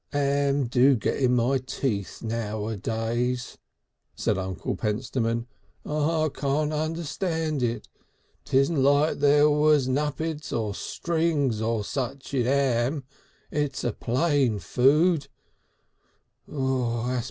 "'Am do get in my teeth nowadays," said Uncle Pentstemon, "I can't understand it. 'Tisn't like there was nubbicks or strings or such in 'am. It's a plain food.